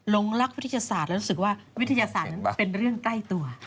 ลงรักวิทยาศาสตร์แล้วรู้สึกว่าวิทยาศาสตร์นั้นเป็นเรื่องใกล้ตัว